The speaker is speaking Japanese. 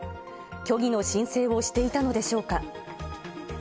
虚偽の申請をしていたのでしょうか。